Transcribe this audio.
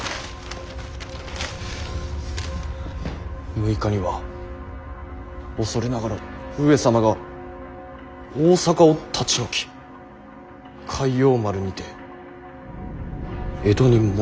「６日には恐れながら上様が大坂を立ち退き開陽丸にて江戸に戻られた」。